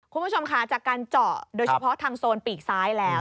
คุณผู้ชมค่ะจากการเจาะโดยเฉพาะทางโซนปีกซ้ายแล้ว